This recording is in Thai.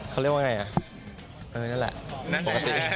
เขาเรียกว่าไงอ่ะเออนั่นแหละปกติ